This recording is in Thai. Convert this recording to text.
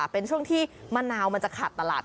เป็นช่วงที่มะนาวมันจะขาดตลาด